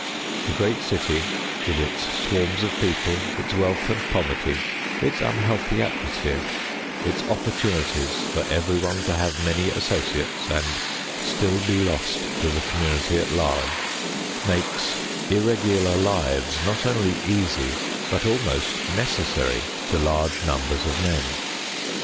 The great city with its swarms of people, its wealth and poverty, its unhealthy atmosphere, its opportunities for everyone to have many associates and still be lost to the community at large, makes irregular lives not only easy, but almost necessary to large numbers of men.